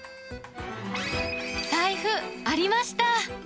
財布、ありました。